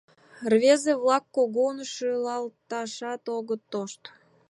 Рвезе-влак кугун шӱлалташат огыт тошт.